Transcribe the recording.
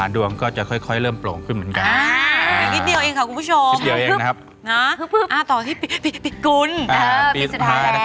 หลังจากปีใหม่ของจีน